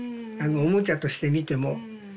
あのおもちゃとして見ても。